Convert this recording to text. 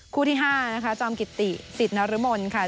คู่ที่ห้านะคะจอมกิตติสิทธิ์นรมล์ค่ะ